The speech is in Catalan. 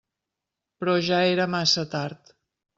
Però ja era massa tard.